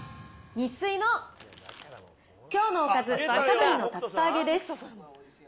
ニッスイの今日のおかず若鶏の竜田揚げです。